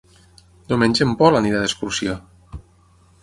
Diumenge en Pol anirà d'excursió.